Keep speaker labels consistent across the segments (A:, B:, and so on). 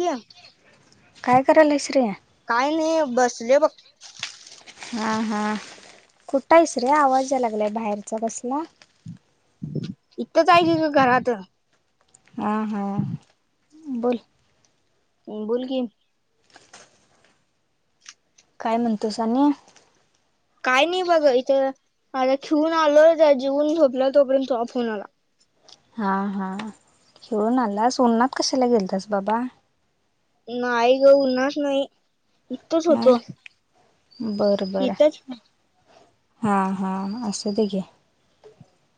A: की
B: काय करालायस रे?
A: काय नाही बसले बघ.
B: हा हा. कुठं आहेस रे? आवाज या लागलाय बाहेरचा कसला.
A: इथंच आहे की ग घरात.
B: हा हा बोल.
A: बोल की.
B: काय म्हणतोस आणि?
A: काय नाही बघ इथं. आता खेळून आलोय जरा जिऊन झोपलेलो तोपर्यंत तुझा फोन आला.
B: हा हा खेळून आलास, ऊनात कशाला गेलतास बाबा.
A: नाही ग उन्हात नाही, इथच
B: हा
A: होतो.
B: बरं बर
A: इथंच
B: हा हा असू दे घे.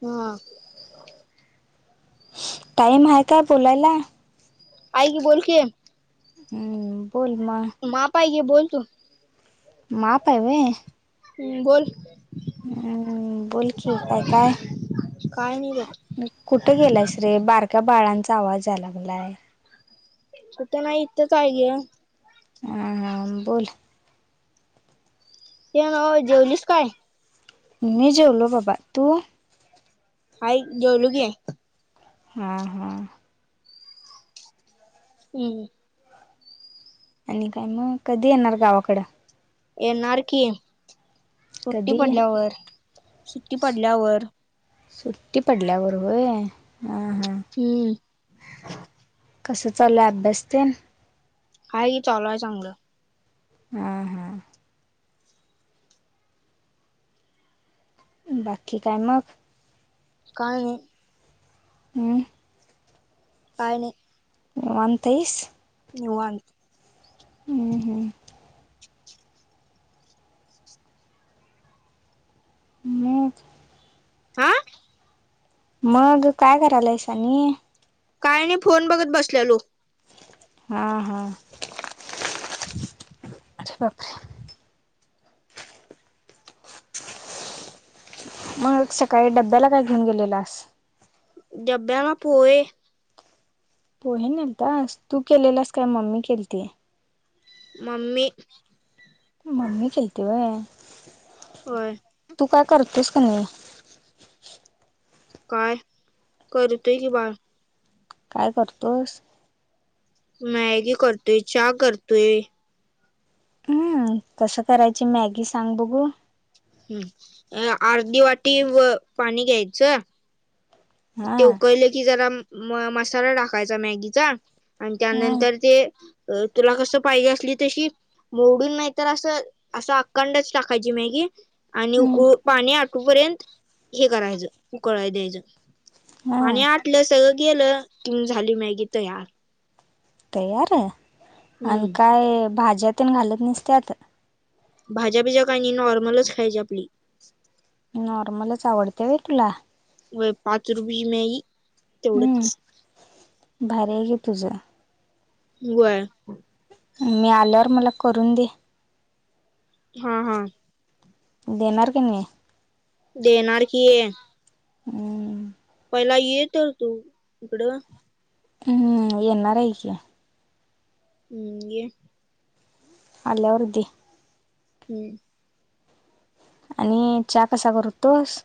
A: हा.
B: टाईम हाय काय बोलायला?
A: हाय की, बोल की.
B: हम्म बोल मग.
A: माप हाय की, बोल तू.
B: माप हाय वय.
A: हम्म बोल.
B: हम्म बोलकी काय काय?
A: काय नाही बघ
B: कुठ गेलायस रे, बारक्या बाळांचा आवाज या लागलाय.
A: कुठं नाही इथंच हाय ग.
B: हा हा बोल.
A: ते न्हव जेवलीस काय?
B: मी जेवलो बाबा, तू?
A: हाय जेवलो की.
B: हा हा.
A: हम्म.
B: आणि काय मग, कधी येणार गावाकडं?
A: येणार की सुट्टी
B: कधी
A: पडल्यावर, सुट्टी पडल्यावर.
B: सुट्टी पडल्यावर व्हय, हा हा.
A: हम्म
B: कस चालुय अभ्यास तेन?
A: हाय की चालूय चांगलं.
B: हा हा. बाकी काय मग?
A: काय नई.
B: हम्म?
A: काय नई.
B: निवांत हाईस?
A: निवांत.
B: हम्म हम्म. मग?
A: हा?
B: मग काय करायलायस अनी?
A: काय नई फोन बघत बसलेलो.
B: हा हा. [unintelligible] मग सकाळी डब्ब्याला काय घेऊन गेलेलास?
A: डब्याला पोहे.
B: पोहे नेलतास तू केलेलास काय मम्मी केलीती.
A: मम्मी.
B: म्ममी केलती वय.
A: व्हय.
B: तू काय करतोस का नाही.
A: काय करतोय की बाळ.
B: काय करतोस?
A: मॅगी करतोय चाहा करतोय.
B: हम्म कसं करायच मॅगी सांग बघू?
A: हम्म अर्धी वाटी व पाणी घ्यायचं.
B: हा
A: ते उकळले की जरा म मसाला टाकायचा मॅगीचा आणि
B: हा
A: त्यानंतर ते अ तुला कसं पाहिजे असली तशी. मोडून नाही तर असं असं अखंडच टाकायची मॅगी. आणि
B: हम्म
A: उकळु पाणी आठूपर्यंत हे करायचं उकळाय द्यायचं.
B: हा
A: पाणी आटलं सगळ गेलं किम झाली मॅगी तयार.
B: तयार आहे आण
A: हम्म
B: काय भाज्यातन घालत नसत्यात.
A: भाज्या बिज्या काही नाही नॉर्मलच खायची आपली.
B: नॉर्मलच आवडते व्हय तुला.
A: व्हय पाच रुपयाची मॅगी
B: हम्म
A: तेवढंच.
B: भारी हाय गे तुझं.
A: व्हय.
B: मी आल्यावर मला करून दे.
A: हा हा.
B: देणार की नही.
A: देणार की ये.
B: हम्म.
A: पहिला ये तर तू इकडं.
B: हम्म येणार हाय की.
A: हम्म ये.
B: आल्यावर दे.
A: हम्म.
B: आणि चाहा कसा करतोस?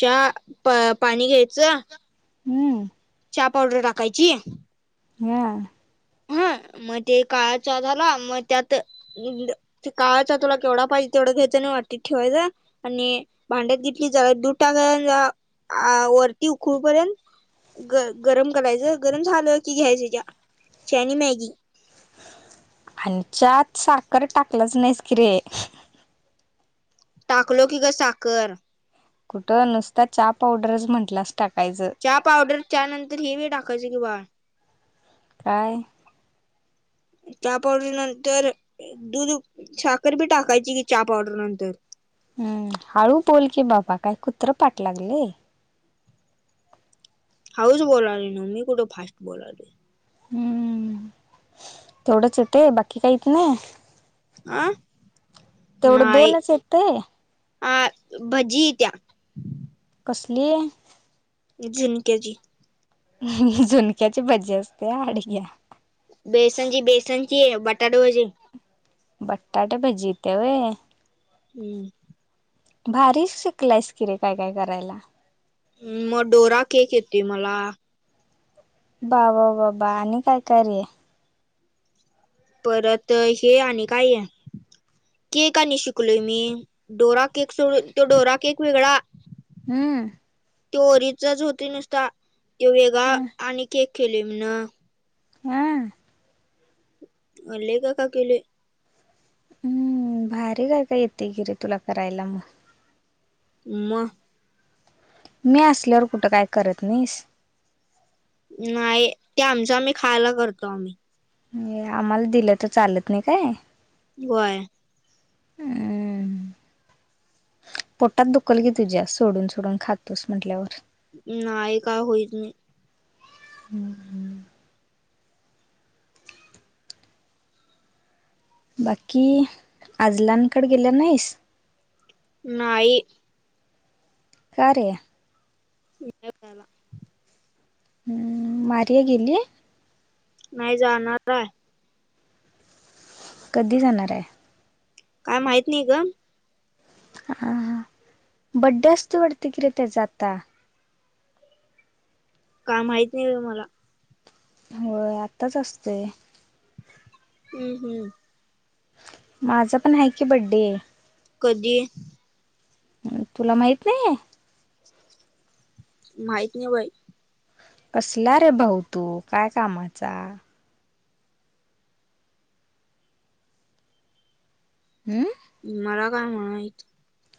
A: चहा प पाणी घ्यायचं.
B: हम्म.
A: चाहा पावडर टाकायची.
B: ह्या.
A: ह म ते काळाचा झाला म त्यात ते काळायच तुला केवढा पाहिजे तेवढं घ्यायचं आणि वाटीत ठेवायच. आणी भांड्यात घेतली जारा दुधटाका [unintelligible] आ ऊकडूपर्यंत ग गरम करायचं गरम झालं की घ्यायच चहा. चॅनी मॅगी.
B: आणच्यात साखर टाकलंच नाहीस कि रे.
A: टाकलो की ग साखर.
B: कुठं नुसता चहा पावडरच म्हंटलास टाकायचं.
A: चहा पावडर च्या नंतर हे बी टाकायच की बाळ.
B: काय?
A: चहा पावडर नंतर दूध छाखर बी टाकायची की चहा पावडर नंतर.
B: हम्म हाळू बोल की बाबा काय कुत्र पाठ लागले.
A: हाऊच बोलाले नो, मी कुठं फास्ट बोललो.
B: हम्म तेवढंच येते बाकी काहीत नाही.
A: आ
B: तेवढं दोनच येतय.
A: हा भज्जी येत्या
B: कसली ये
A: झुनके ची
B: झुणक्याची भाजी असते अडघ्या
A: बेसण चे बेसण चे बटाटे भजे
B: बटाटे भजी येतय होय.
A: हम्म
B: भारीच शिकलायस कि रे काय काय करायला.
A: मग डोरा केक येत मला
B: बा वा वा बा आणि काय काय र आहे.
A: परत हे आणि काय आहे. केक आणि शिकलोय मी डोरा केक सोडून तो डोरा केक वेगळा
B: हम्म.
A: तो व ओरीओ च होती नुसता ते वेगळा आणि केक केले मी न.
B: हा.
A: लई काय काय केलंय.
B: हम्म भारी काय काय येते की रे तुला करायला मग
A: मग
B: मी असल्यावर कुठं काय करत नाहीस.
A: नाही ते आमच आम्ही खायला करतो आम्ही
B: आम्हाला दिलं तर चालत नाही काय?
A: होय.
B: हम्म. पोटात दुखल की तुझ्या सोडून सोडून खातोस म्हटल्यावर
A: नाही काय होईत नाही.
B: हम्म. बाकी आज लांन कडे गेल्या नाहीस.
A: नाही.
B: कारे?
A: विनोद आला.
B: मारिया गेली.
A: नाही जाणार आहे.
B: कधी जाणार आहे.
A: काय माहित नाही ग.
B: आ बड्डे असते वाटते की रं त्याचा आता
A: काय माहती नाही बाई मला
B: होय आताच असतोय.
A: हम्म हम्म.
B: माझा पण हाय की बड्डे?
A: कधी?
B: तुला माहित नाही.
A: माहित नाही बाई.
B: असला रे भाऊ तू काय कामाचा! हम.
A: मला काय म्हणायच.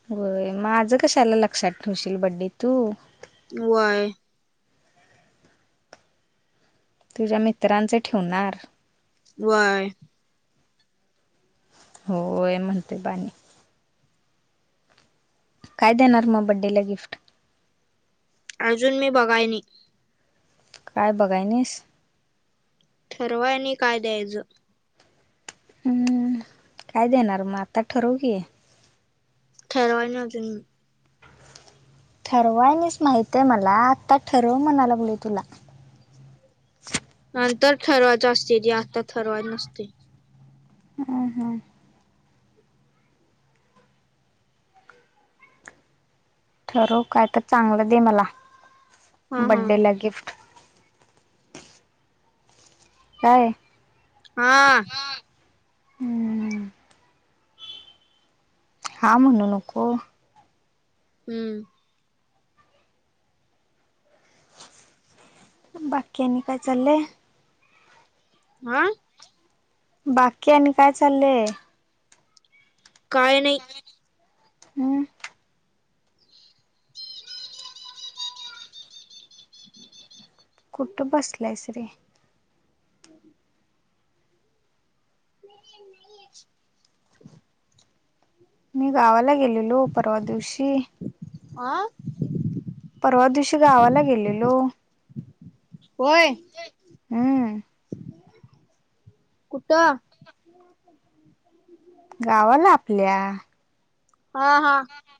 B: होय. मा माझं कशाला लक्षात ठेवशील बड्डे तू.
A: व्हय.
B: तुझ्या मित्रांच ठेवणार.
A: व्हय.
B: होय म्हणतेय बघ आणि काय देणार मग बड्डे ला गिफ्ट.
A: अजून मी बघायनी.
B: काय बघायनीस.
A: ठरवाय आणि काय द्यायचं.
B: हम्म, काय देणार मग, आता ठरव की.
A: ठेरवाळ नजून.
B: ठरवाय नाहीस माहितय मला,, आता ठरव म्हणाय लागलोय तुला.
A: नंतर ठरवायचं असते ते,, आता ठरवायच नसतय.
B: हम्म हम्म. ठरव,, काय तर चांगलं दे मला,,
A: हा हा
B: बड्डे ला गिफ्ट. काय?
A: हा,
B: हम्म हां म्हणू नको.
A: हम्म,
B: बाकी आनी काय चाललय.
A: आ,
B: बाकी आणि काय चाललंय?
A: काय नई.
B: हम्म, कुठं बसलायस रे?
A: हम, ह
B: मी गावाला गेलेलो, परवा दिवशी.
A: आं
B: परवा दिवशी गावाला गेलेलो.
A: व्हयं.
B: हम्म
A: कुठं? ह [unintelligible]
B: गावाला आपल्या.
A: हा हा.
B: हम्म्म.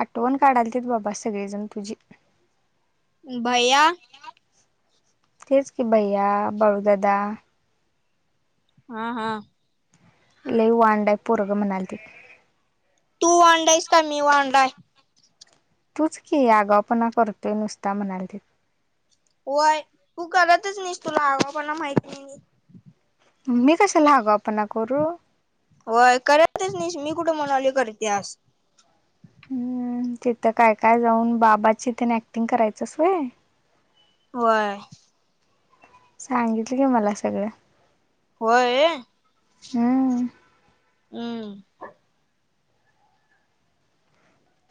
B: आठवण काढालतीत बाबा,, सगळेजण तुझी.
A: भया
B: तेच की, भैया, बाळुदादा.
A: हा हा.
B: लई वांडय पोरगं म्हणालते.
A: तू वांडआईस का मी वांड आय.
B: तूच की,, आगाव पणा करतोय नुसता,, म्हणाल तीऽ
A: व्हयं,, तू करतच नाहीस,, तुला आगाव पणा माहितीच नाही आणि
B: म मी कशाला आगावपणा करू.
A: होय, करतच नाहीस, मी कुठं म्हणावलोय करत्यास आस
B: हम्म,, तिथं काय काय जाऊन, बाबाची तीन ऍक्टिंग करायचाच वय?
A: वय.
B: सांगितलं की मला सगळं.
A: होय.
B: हम्म
A: हम्म.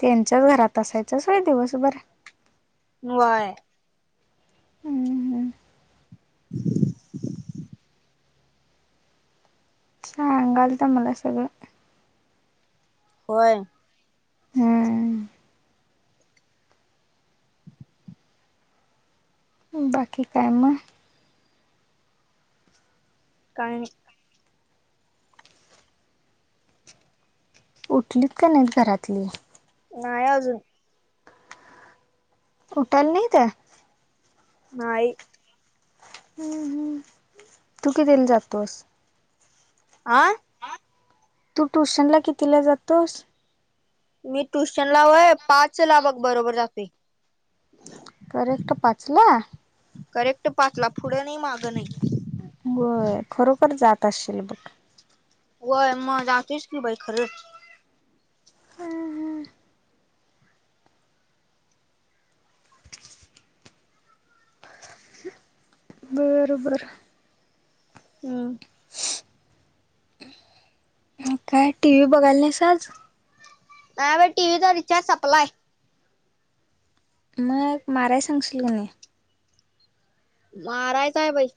B: त्यांच्याच घरात असायचंचय दिवस बरं.
A: व्हयं.
B: हम हम.
A: [unintelligible]
B: सांगालता मला सगळं.
A: होय,
B: हम्म बाकी काय मग
A: काय नै.
B: उठलीत का नाहीत घरातली.
A: नाही अजून
B: उठल नाही त्या
A: नाहीय
B: तू कितीला जातोस
A: आ
B: तू ट्युशन ला कितीला जातोस
A: मी ट्युशनला वोय पाच ला बघ बरोबर जाते.
B: तर करेक्ट पाचला
A: करेक्ट पाचला पुढं नाही मागं नाही.
B: होय खरोखर जात असशील बघ
A: वय मग जातीस की बाई खरंच
B: बरोबर
A: हम
B: काय टी व्ही बघायली नेसाज
A: नाही टीव्ही चा रिचार्ज संपलाय
B: मग मारायला सांगशील नी
A: मारायचय बाई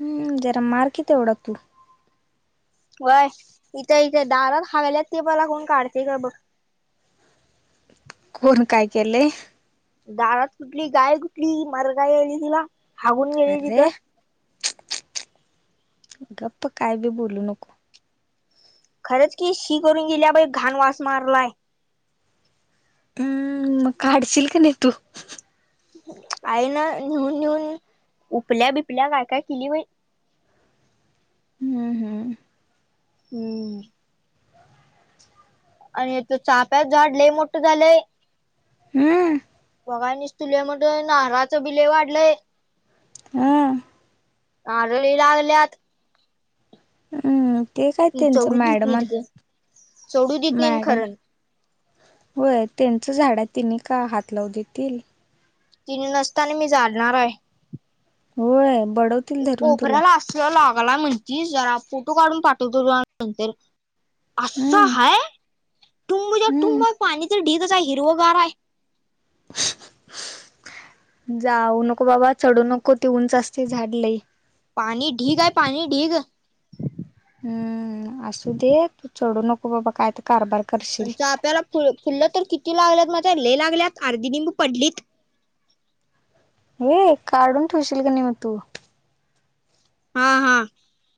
B: हम्म जरा मार कि ते एवढा तू
A: वय इथे इथे दारात हवेलीतन मला कोण काढते का बघ.
B: कोण काय केलंय
A: दारात कुठली गाय कुठली मरगाय आली दिला
B: अरे गप्प काय बी बोलू नको
A: खरंच की शी करून गेली बा घाण वास मारलाय
B: हम्म मग काढशील का नाही तू?
A: आई ना नेऊन नेऊन उपल्या बिपल्या काय काय केली वय
B: हम्म हम्
A: हम्म आणि त चाफ्याचं झाड लय मोठं झालंय
B: हम
A: बघा निसत तुल म्हट नाराचं बिल वाढलंय
B: हुम
A: आढळीला ल्यावल्यात
B: हम्म ते काय त्यांचं
A: चढू देत नाहीत
B: मॅडमन
A: ग चढू देत नाहीत
B: मॅडम
A: खरं
B: होय त्यांच झाड तिने का हात लाव देतील
A: तिन नसताना मी झाडणार आहे
B: होय बडोत
A: कोपऱ्याला अस लागला म्हणती जरा फोटो काढून पाठवतो नंतर अस
B: हम्म
A: आहे तुमजे
B: हम्म
A: तुम पाणी तर ढीगच आहे हिरवगाराय हाय
B: जाऊ नको बाबा चढू नको ते उंच असते जास्ते झाड लय
A: पाणी ढीग आहे पाणी ढीग
B: हम्म असू दे तू चढू नको बाबा काय तर कारभार करशी
A: आमच्या आब्याला फु फुल्लं तर किती लागल्यात माहीत्या लैई लागल्यात अर्धी निम्मी पडलीत
B: ये काढून ठेवशील का नाही मग तू
A: हा हा